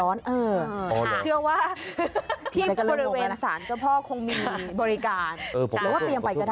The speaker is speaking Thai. โอยั่วคือเป็นแบบร้อน